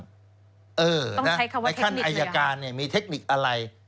ต้องใช้คำว่าเทคนิคในขั้นอายการมีเทคนิคอะไร